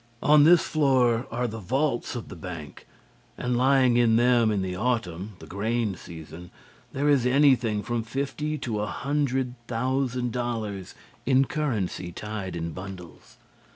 On this floor are the vaults of the bank, and lying in them in the autumn the grain season there is anything from fifty to a hundred thousand dollars in currency tied in bundles.